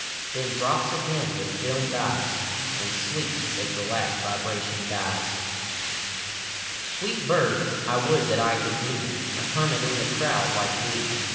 Then drops again with fdmed eyes, And sleeps as the last vibration dies. a (89) Sweet bird ! I would that I could be A hermit in the crowd like thee